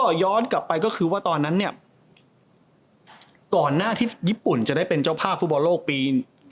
แล้วย้อนกลับไปก็คือว่าตอนนั้นเนี่ยประเภทค่ะก่อนหน้าที่ว่าจะเป็นเจ้าพร่าพบอดโลกปี๒๐๐๒